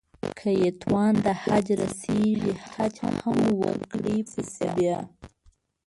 که يې توان د حج رسېږي حج هم وکړي پسې بيا